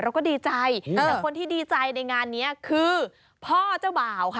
เราก็ดีใจแต่คนที่ดีใจในงานนี้คือพ่อเจ้าบ่าวค่ะ